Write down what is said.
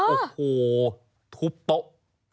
โอ้โหทุบโต๊ะ